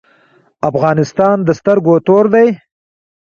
افغانستان د سترګو تور دی؟